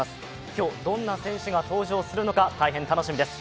今日、どんな選手が登場するのか大変、楽しみです。